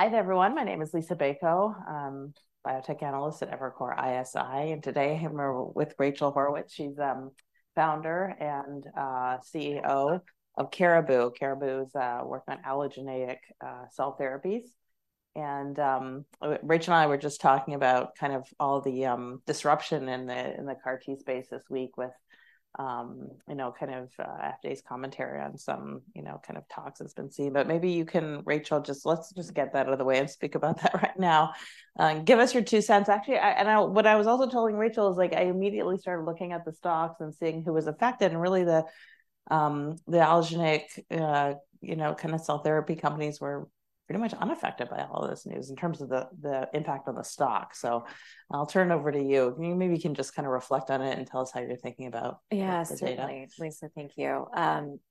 Hi, everyone. My name is Liisa Bayko, biotech analyst at Evercore ISI, and today I'm here with Rachel Haurwitz. She's founder and CEO of Caribou. Caribou is working on allogeneic cell therapies. And Rachel and I were just talking about kind of all the disruption in the CAR T space this week with, you know, kind of FDA's commentary on some, you know, kind of talks it's been seeing. But maybe you can, Rachel, just let's just get that out of the way and speak about that right now. Give us your two cents. Actually, and I... What I was also telling Rachel is, like, I immediately started looking at the stocks and seeing who was affected, and really the allogeneic, you know, kind of cell therapy companies were pretty much unaffected by all this news in terms of the impact on the stock. So I'll turn it over to you. Maybe you can just kind of reflect on it and tell us how you're thinking about- Yeah. - the data. Certainly, Liisa, thank you.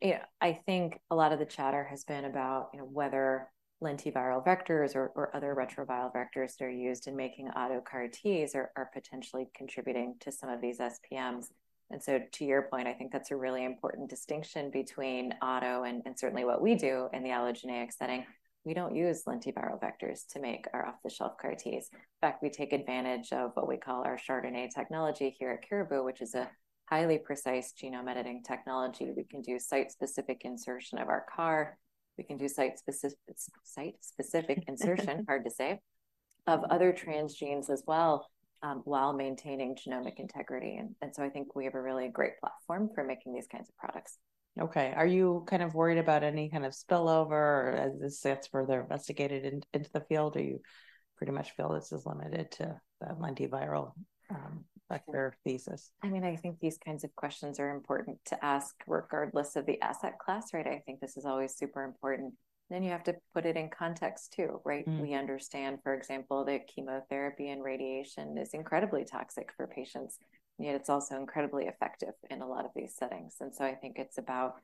Yeah, I think a lot of the chatter has been about, you know, whether lentiviral vectors or other retroviral vectors that are used in making auto CAR-Ts are potentially contributing to some of these SPMs. So to your point, I think that's a really important distinction between auto and certainly what we do in the allogeneic setting. We don't use lentiviral vectors to make our off-the-shelf CAR-Ts. In fact, we take advantage of what we call our chRDNA technology here at Caribou, which is a highly precise genome editing technology. We can do site-specific insertion of our CAR. We can do site-specific insertion, hard to say, of other transgenes as well, while maintaining genomic integrity. So I think we have a really great platform for making these kinds of products. Okay. Are you kind of worried about any kind of spillover as this gets further investigated into the field, or you pretty much feel this is limited to the lentiviral vector thesis? I mean, I think these kinds of questions are important to ask regardless of the asset class, right? I think this is always super important. Then you have to put it in context, too, right? Mm. We understand, for example, that chemotherapy and radiation is incredibly toxic for patients, yet it's also incredibly effective in a lot of these settings. And so I think it's about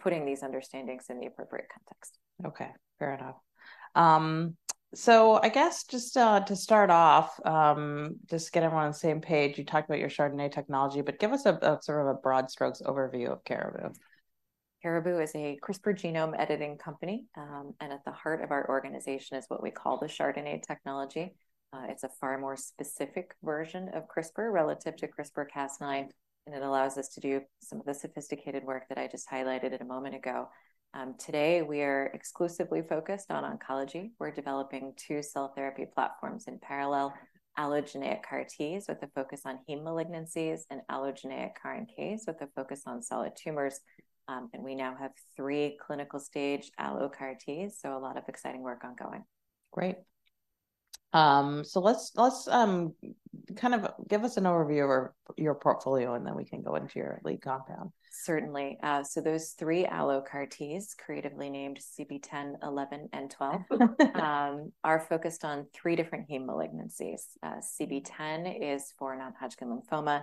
putting these understandings in the appropriate context. Okay, fair enough. So I guess just to start off, just to get everyone on the same page, you talked about your chRDNA technology, but give us a sort of broad strokes overview of Caribou. Caribou is a CRISPR genome editing company, and at the heart of our organization is what we call the chRDNA technology. It's a far more specific version of CRISPR relative to CRISPR-Cas9, and it allows us to do some of the sophisticated work that I just highlighted a moment ago. Today, we are exclusively focused on oncology. We're developing two cell therapy platforms in parallel: allogeneic CAR-Ts, with a focus on heme malignancies, and allogeneic CAR-NKs, with a focus on solid tumors. We now have three clinical-stage allo CAR-Ts, so a lot of exciting work ongoing. Great. So let's kind of give us an overview of your portfolio, and then we can go into your lead compound. Certainly. So those three allo CAR-Ts, creatively named CB-010, CB-011, and CB-012, are focused on three different heme malignancies. CB-010 is for non-Hodgkin lymphoma,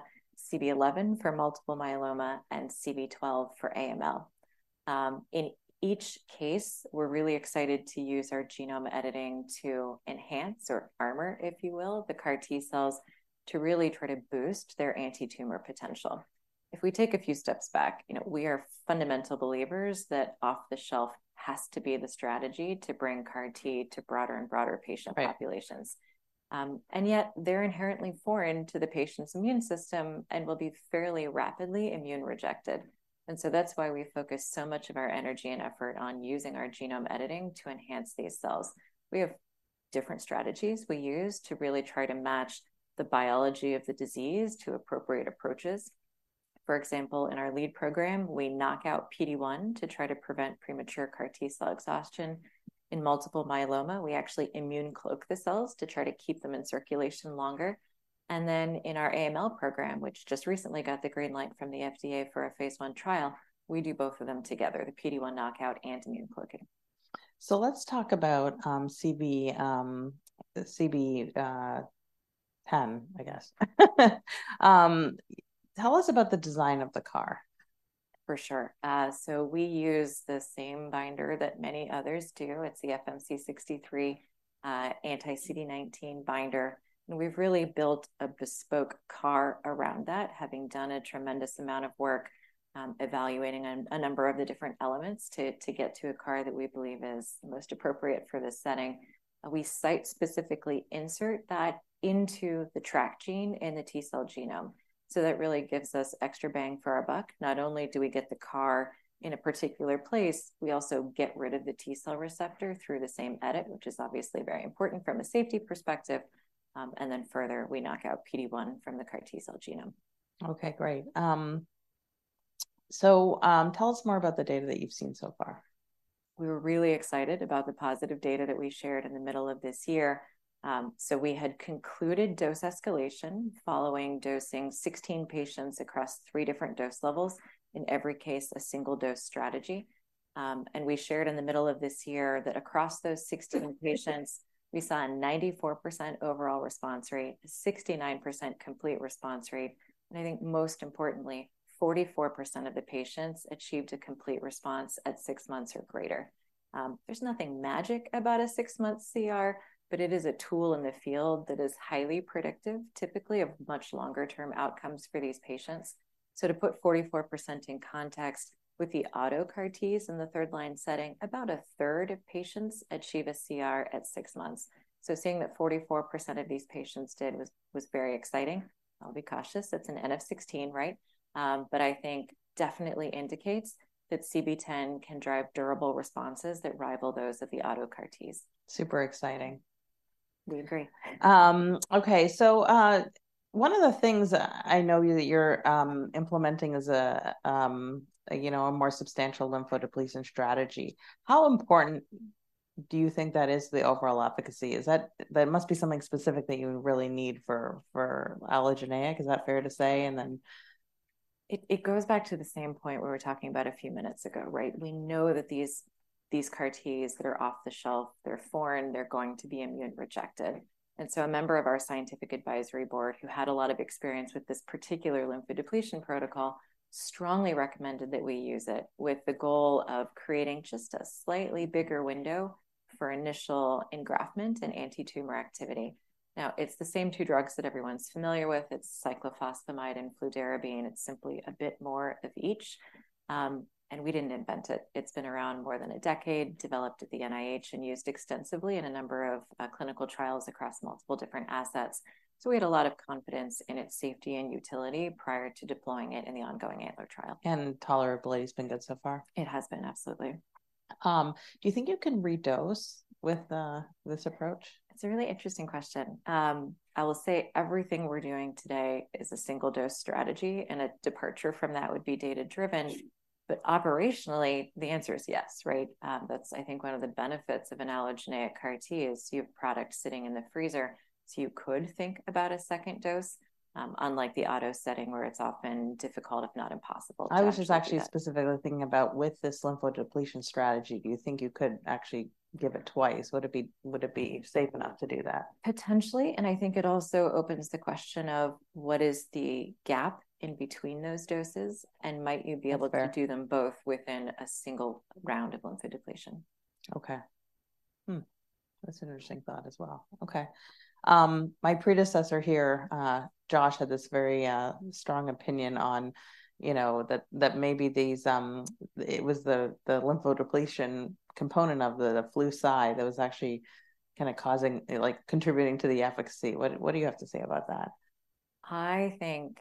CB-011 for multiple myeloma, and CB-012 for AML. In each case, we're really excited to use our genome editing to enhance or armor, if you will, the CAR-T cells to really try to boost their anti-tumor potential. If we take a few steps back, you know, we are fundamental believers that off-the-shelf has to be the strategy to bring CAR-T to broader and broader patient- Right... populations. And yet, they're inherently foreign to the patient's immune system and will be fairly rapidly immune-rejected, and so that's why we focus so much of our energy and effort on using our genome editing to enhance these cells. We have different strategies we use to really try to match the biology of the disease to appropriate approaches. For example, in our lead program, we knock out PD-1 to try to prevent premature CAR T cell exhaustion. In multiple myeloma, we actually immune cloak the cells to try to keep them in circulation longer. And then in our AML program, which just recently got the green light from the FDA for a phase I trial, we do both of them together, the PD-1 knockout and immune cloaking. So let's talk about CB-010, I guess. Tell us about the design of the CAR. For sure. So we use the same binder that many others do. It's the FMC63 anti-CD19 binder, and we've really built a bespoke CAR around that, having done a tremendous amount of work evaluating a number of the different elements to get to a CAR that we believe is the most appropriate for this setting. We site-specifically insert that into the TRAC gene in the T cell genome, so that really gives us extra bang for our buck. Not only do we get the CAR in a particular place, we also get rid of the T cell receptor through the same edit, which is obviously very important from a safety perspective. And then further, we knock out PD-1 from the CAR T cell genome. Okay, great. So, tell us more about the data that you've seen so far? We were really excited about the positive data that we shared in the middle of this year. So we had concluded dose escalation following dosing 16 patients across 3 different dose levels, in every case, a single-dose strategy. And we shared in the middle of this year that across those 16 patients, we saw a 94% overall response rate, a 69% complete response rate, and I think most importantly, 44% of the patients achieved a complete response at 6 months or greater. There's nothing magic about a 6-month CR, but it is a tool in the field that is highly predictive, typically of much longer term outcomes for these patients. So to put 44% in context, with the auto CAR-Ts in the third line setting, about a third of patients achieve a CR at 6 months. So seeing that 44% of these patients did was very exciting. I'll be cautious, it's an n=16, right? But I think definitely indicates that CB-010 can drive durable responses that rival those of the autologous CAR-Ts. Super exciting. We agree. Okay, so, one of the things I know that you're implementing is a you know a more substantial lymphodepletion strategy. How important do you think that is to the overall efficacy? Is that... There must be something specific that you really need for allogeneic. Is that fair to say? And then- It, it goes back to the same point where we were talking about a few minutes ago, right? We know that these, these CAR-Ts that are off the shelf, they're foreign, they're going to be immune-rejected. And so a member of our scientific advisory board, who had a lot of experience with this particular lymphodepletion protocol, strongly recommended that we use it, with the goal of creating just a slightly bigger window for initial engraftment and anti-tumor activity. Now, it's the same two drugs that everyone's familiar with. It's cyclophosphamide and fludarabine. It's simply a bit more of each. And we didn't invent it. It's been around more than a decade, developed at the NIH, and used extensively in a number of clinical trials across multiple different assets. We had a lot of confidence in its safety and utility prior to deploying it in the ongoing ANTLER trial. Tolerability's been good so far? It has been, absolutely. Do you think you can re-dose with this approach? It's a really interesting question. I will say everything we're doing today is a single-dose strategy, and a departure from that would be data-driven. But operationally, the answer is yes, right? That's, I think, one of the benefits of an allogeneic CAR T, is you have product sitting in the freezer, so you could think about a second dose. Unlike the auto setting, where it's often difficult, if not impossible, to actually do that. I was just actually specifically thinking about with this lymphodepletion strategy, do you think you could actually give it twice? Would it be safe enough to do that? Potentially, and I think it also opens the question of, what is the gap in between those doses, and might you be able- That's fair... to do them both within a single round of lymphodepletion? Okay. Hmm, that's an interesting thought as well. Okay. My predecessor here, Josh, had this very strong opinion on, you know, that, that maybe these... It was the lymphodepletion component of the fludarabine side that was actually kind of causing, like, contributing to the efficacy. What do you have to say about that? I think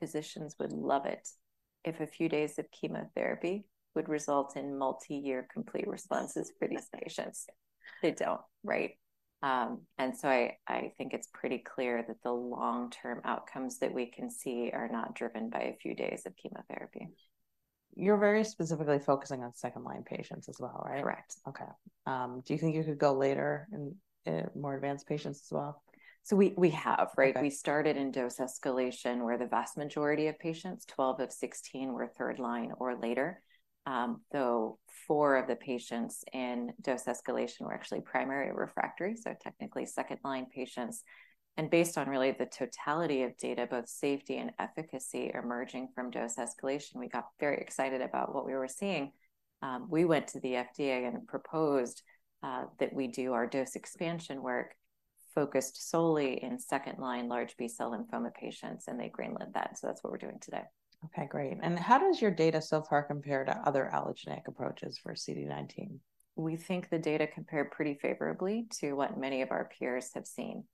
physicians would love it if a few days of chemotherapy would result in multi-year complete responses for these patients. They don't, right? And so I think it's pretty clear that the long-term outcomes that we can see are not driven by a few days of chemotherapy. You're very specifically focusing on second-line patients as well, right? Correct. Okay. Do you think you could go later in more advanced patients as well? We have, right? Okay. We started in dose escalation, where the vast majority of patients, 12 of 16, were third line or later. Though 4 of the patients in dose escalation were actually primary refractory, so technically second-line patients. Based on really the totality of data, both safety and efficacy, emerging from dose escalation, we got very excited about what we were seeing. We went to the FDA and proposed that we do our dose expansion work focused solely in second-line large B-cell lymphoma patients, and they green-lit that, so that's what we're doing today. Okay, great. And how does your data so far compare to other allogeneic approaches for CD19? We think the data compare pretty favorably to what many of our peers have seen.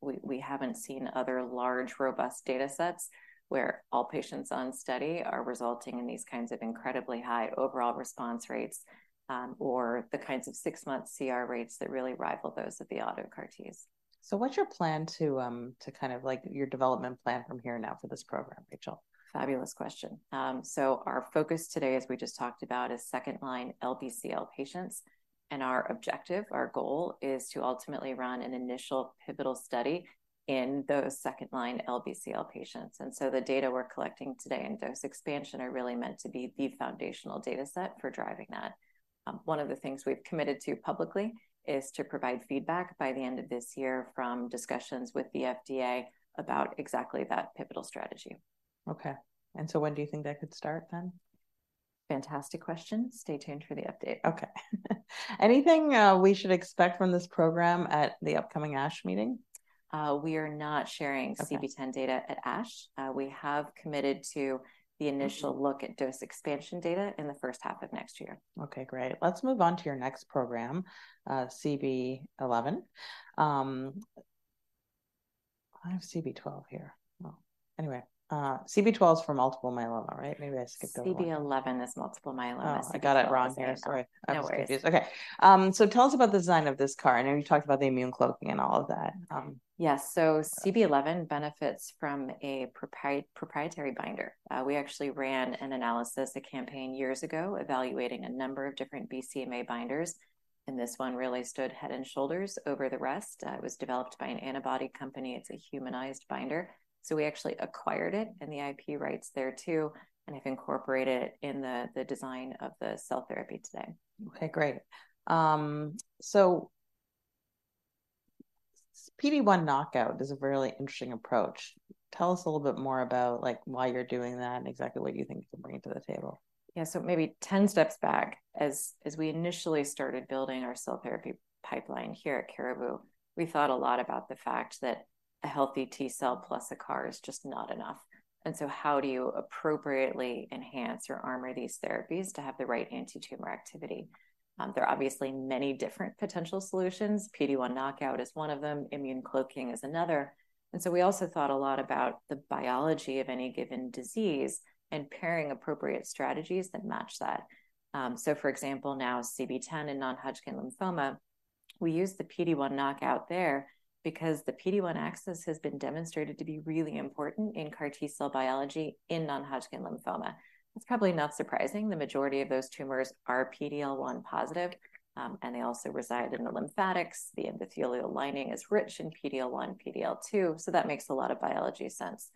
We haven't seen other large, robust data sets where all patients on study are resulting in these kinds of incredibly high overall response rates, or the kinds of six-month CR rates that really rival those of the auto CAR Ts. So what's your plan to kind of like... Your development plan from here now for this program, Rachel? Fabulous question. So our focus today, as we just talked about, is second-line LBCL patients, and our objective, our goal, is to ultimately run an initial pivotal study in those second-line LBCL patients. And so the data we're collecting today in dose expansion are really meant to be the foundational data set for driving that. One of the things we've committed to publicly is to provide feedback by the end of this year from discussions with the FDA about exactly that pivotal strategy. Okay, and so when do you think that could start then? Fantastic question. Stay tuned for the update. Okay. Anything we should expect from this program at the upcoming ASH meeting? We are not sharing- Okay... CB-010 data at ASH. We have committed to- Mm-hmm... the initial look at dose expansion data in the first half of next year. Okay, great. Let's move on to your next program, CB-011. I have CB-012 here. Well, anyway, CB-012 is for multiple myeloma, right? Maybe I skipped over one. CB-011 is multiple myeloma. Oh, I got it wrong there. Yes. Sorry. No worries. I was confused. Okay, so tell us about the design of this CAR. I know you talked about the immune cloaking and all of that. Yes, so CB-011 benefits from a proprietary binder. We actually ran an analysis, a campaign, years ago, evaluating a number of different BCMA binders... and this one really stood head and shoulders over the rest. It was developed by an antibody company. It's a humanized binder, so we actually acquired it, and the IP rights there, too, and have incorporated it in the design of the cell therapy today. Okay, great. So PD-1 knockout is a really interesting approach. Tell us a little bit more about, like, why you're doing that and exactly what you think it can bring to the table? Yeah, so maybe ten steps back, as we initially started building our cell therapy pipeline here at Caribou, we thought a lot about the fact that a healthy T cell plus a CAR is just not enough. And so how do you appropriately enhance or armor these therapies to have the right anti-tumor activity? There are obviously many different potential solutions. PD-1 knockout is one of them, immune cloaking is another. And so we also thought a lot about the biology of any given disease and pairing appropriate strategies that match that. So for example, now CB-10 in Non-Hodgkin lymphoma, we use the PD-1 knockout there because the PD-1 axis has been demonstrated to be really important in CAR T cell biology in Non-Hodgkin lymphoma. It's probably not surprising the majority of those tumors are PD-L1 positive, and they also reside in the lymphatics. The endothelial lining is rich in PD-L1, PD-L2, so that makes a lot of biology sense.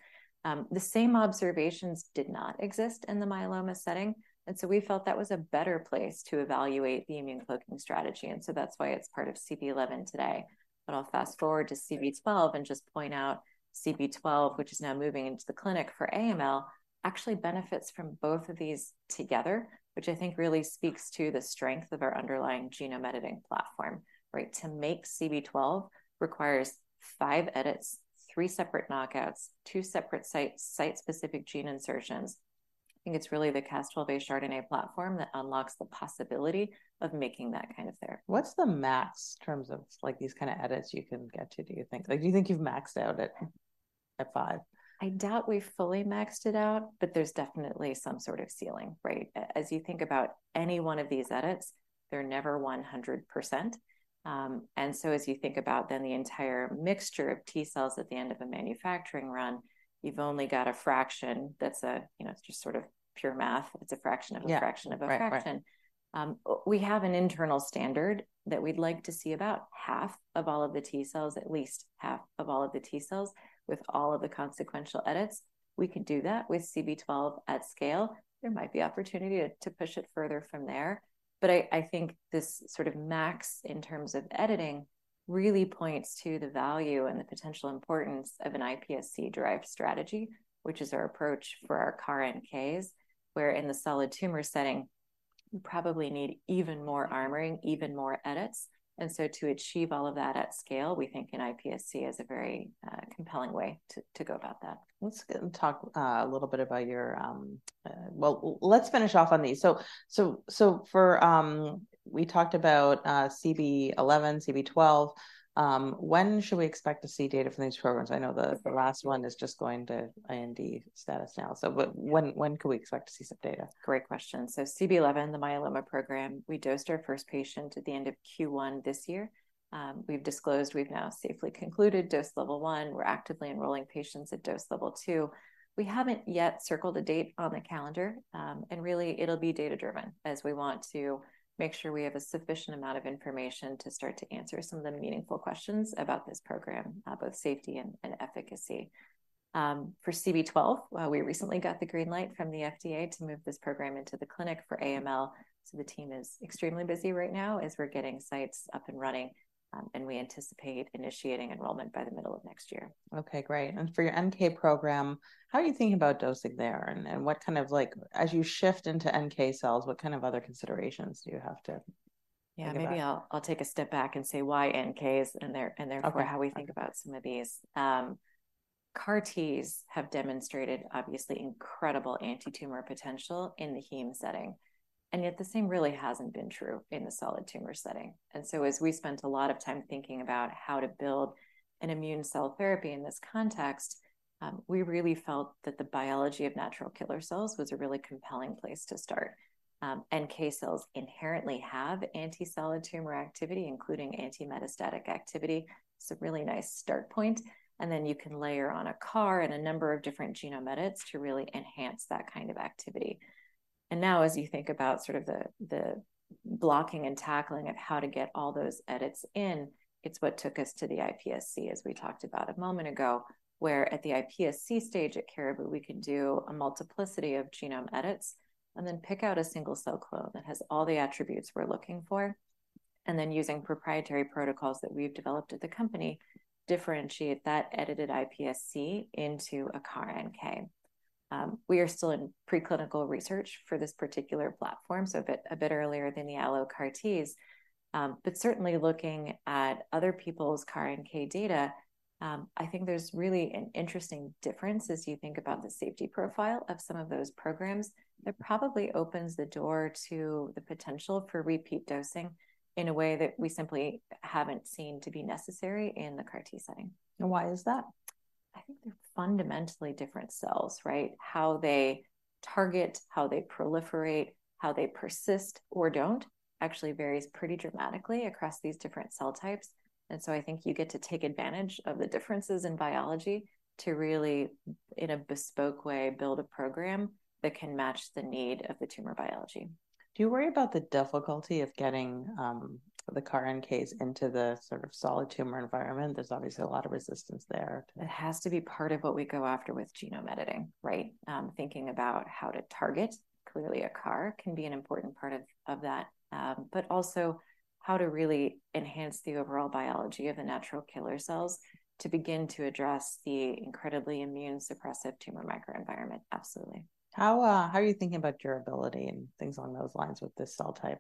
The same observations did not exist in the myeloma setting, and so we felt that was a better place to evaluate the immune cloaking strategy, and so that's why it's part of CB-011 today. But I'll fast-forward to CB-012 and just point out, CB-012, which is now moving into the clinic for AML, actually benefits from both of these together, which I think really speaks to the strength of our underlying genome editing platform, right? To make CB-012 requires five edits, three separate knockouts, two separate site-specific gene insertions. I think it's really the Cas12a chRDNA platform that unlocks the possibility of making that kind of therapy. What's the max in terms of, like, these kinda edits you can get to, do you think? Like, do you think you've maxed out at five? I doubt we've fully maxed it out, but there's definitely some sort of ceiling, right? As you think about any one of these edits, they're never 100%. And so as you think about then the entire mixture of T cells at the end of a manufacturing run, you've only got a fraction that's a... You know, it's just sort of pure math. It's a fraction- Yeah... of a fraction of a fraction. Right. Right. We have an internal standard that we'd like to see about half of all of the T cells, at least half of all of the T cells, with all of the consequential edits. We can do that with CB-012 at scale. There might be opportunity to push it further from there, but I think this sort of max in terms of editing really points to the value and the potential importance of an iPSC-derived strategy, which is our approach for our current case, where in the solid tumor setting, you probably need even more armoring, even more edits. And so to achieve all of that at scale, we think an iPSC is a very compelling way to go about that. Let's talk a little bit about your... Well, let's finish off on these. So for... We talked about CB-011, CB-012. When should we expect to see data from these programs? I know the last one is just going to IND status now, so but when could we expect to see some data? Great question. So CB-011, the myeloma program, we dosed our first patient at the end of Q1 this year. We've disclosed we've now safely concluded dose level one. We're actively enrolling patients at dose level two. We haven't yet circled a date on the calendar, and really, it'll be data-driven, as we want to make sure we have a sufficient amount of information to start to answer some of the meaningful questions about this program, both safety and efficacy. For CB-012, well, we recently got the green light from the FDA to move this program into the clinic for AML, so the team is extremely busy right now as we're getting sites up and running. And we anticipate initiating enrollment by the middle of next year. Okay, great. And for your NK program, how are you thinking about dosing there? And, what kind of like... As you shift into NK cells, what kind of other considerations do you have to think about? Yeah, maybe I'll take a step back and say why NKs and therefore how we think about some of these. CAR-Ts have demonstrated obviously incredible anti-tumor potential in the heme setting, and yet the same really hasn't been true in the solid tumor setting. And so as we spent a lot of time thinking about how to build an immune cell therapy in this context, we really felt that the biology of natural killer cells was a really compelling place to start. NK cells inherently have anti-solid tumor activity, including anti-metastatic activity, so a really nice start point. And then you can layer on a CAR and a number of different genome edits to really enhance that kind of activity. And now, as you think about sort of the blocking and tackling of how to get all those edits in, it's what took us to the iPSC, as we talked about a moment ago, where at the iPSC stage at Caribou, we can do a multiplicity of genome edits and then pick out a single cell clone that has all the attributes we're looking for, and then using proprietary protocols that we've developed at the company, differentiate that edited iPSC into a CAR-NK. We are still in preclinical research for this particular platform, so a bit earlier than the allo CAR-Ts. But certainly looking at other people's CAR-NK data, I think there's really an interesting difference as you think about the safety profile of some of those programs. That probably opens the door to the potential for repeat dosing in a way that we simply haven't seen to be necessary in the CAR-T setting. Why is that?... I think they're fundamentally different cells, right? How they target, how they proliferate, how they persist or don't, actually varies pretty dramatically across these different cell types. And so I think you get to take advantage of the differences in biology to really, in a bespoke way, build a program that can match the need of the tumor biology. Do you worry about the difficulty of getting the CAR-NKs into the sort of solid tumor environment? There's obviously a lot of resistance there. It has to be part of what we go after with genome editing, right? Thinking about how to target, clearly a CAR can be an important part of that. But also how to really enhance the overall biology of the natural killer cells to begin to address the incredibly immune-suppressive tumor microenvironment. Absolutely. How, how are you thinking about durability and things along those lines with this cell type?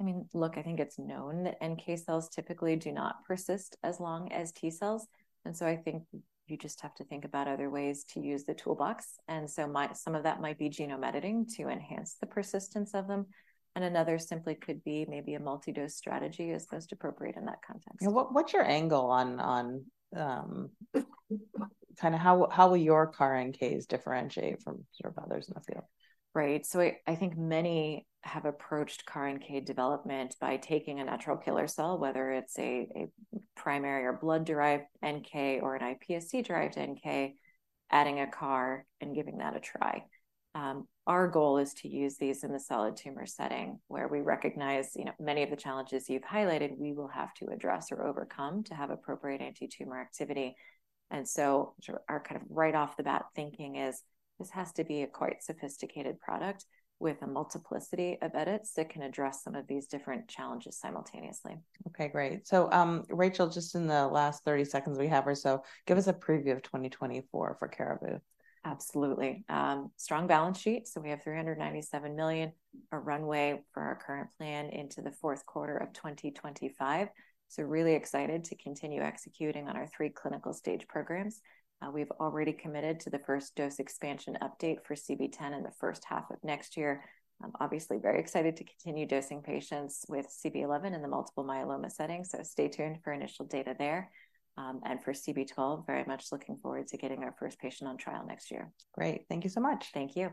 I mean, look, I think it's known that NK cells typically do not persist as long as T cells, and so I think you just have to think about other ways to use the toolbox. And so some of that might be genome editing to enhance the persistence of them, and another simply could be maybe a multi-dose strategy, as most appropriate in that context. Yeah, what's your angle on kinda how your CAR NKs will differentiate from sort of others in the field? Right. So I think many have approached CAR-NK development by taking a natural killer cell, whether it's a primary or blood-derived NK, or an iPSC-derived NK, adding a CAR, and giving that a try. Our goal is to use these in the solid tumor setting, where we recognize, you know, many of the challenges you've highlighted, we will have to address or overcome to have appropriate anti-tumor activity. And so, our kind of right-off-the-bat thinking is, this has to be a quite sophisticated product with a multiplicity of edits that can address some of these different challenges simultaneously. Okay, great. So, Rachel, just in the last 30 seconds we have or so, give us a preview of 2024 for Caribou. Absolutely. Strong balance sheet, so we have $397 million, a runway for our current plan into the fourth quarter of 2025. So really excited to continue executing on our three clinical stage programs. We've already committed to the first dose expansion update for CB-010 in the first half of next year. I'm obviously very excited to continue dosing patients with CB-011 in the multiple myeloma setting, so stay tuned for initial data there. And for CB-012, very much looking forward to getting our first patient on trial next year. Great. Thank you so much! Thank you.